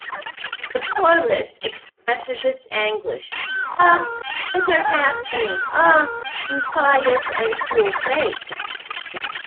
The chorus expresses its anguish: Ah, bitter happening, ah, impious and cruel fate!